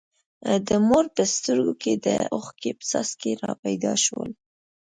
د مور په سترګو کې د اوښکو څاڅکي را پیدا شول.